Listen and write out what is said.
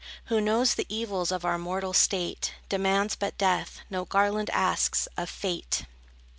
Who knows the evils of our mortal state, Demands but death, no garland asks, of Fate.